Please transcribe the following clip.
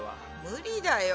無理だよ。